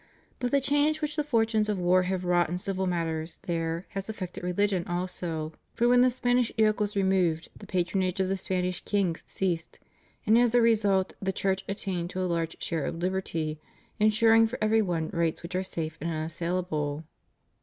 But the change which the fortunes of war have wrought in civil matters there has affected religion also; for when 544 THE CHURCH IN THE PHILIPPINES. 545 the Spanish yoke was removed the patronage of the Spanish kings ceased, and as a result the Church attained to a larger share of hberty, ensuring for every one rights which are safe and unassailable.